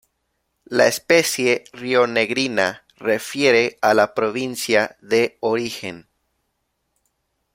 La especie, rionegrina, refiere a la provincia de origen.